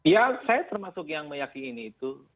ya saya termasuk yang meyakini itu